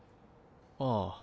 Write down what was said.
ああ。